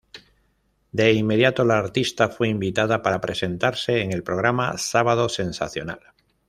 De inmediato la artista fue invitada para presentarse en el programa "Sábado Sensacional".